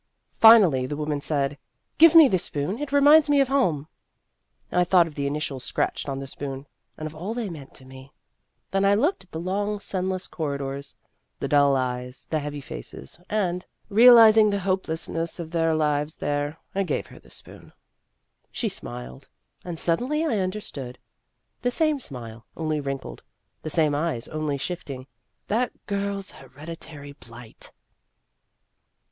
Finally the woman said :" Give me the spoon. It reminds me of home." I thought of the initials scratched on That Athletic Girl 207 the spoon, and of all they meant to me ; then I looked at the long sunless corri dors, the dull eyes, the heavy faces, and, realizing the hopelessness of their lives there, I gave her the spoon. She smiled, and suddenly I under stood : the same smile only wrinkled, the same eyes only shifting. That girl's hereditary blight